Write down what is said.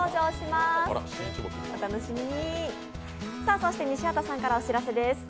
そして西畑さんからお知らせです。